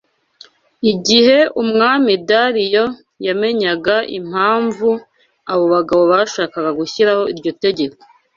Igihe Umwami Dariyo yamenyaga impamvu abo bagabo bashakaga gushyiraho iryo tegeko